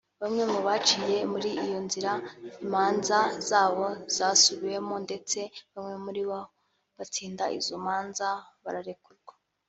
Bamwe mu baciye muri iyo nzira imanza zabo zasubiwemo ndetse bamwe muri bo batsinda izo manza bararekurwa